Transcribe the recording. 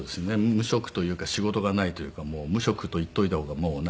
無職というか仕事がないというか無職と言っといた方がもうなんかねえ